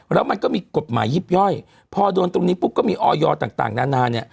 แล้วมันก็มีกฎหมายยิบย่อยพอโดนตรงนี้ปุ๊บก็มีออยต่างนานาเนี่ย